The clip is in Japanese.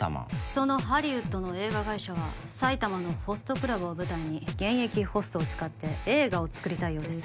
そのハリウッドの映画会社は埼玉のホストクラブを舞台に現役ホストを使って映画を作りたいようです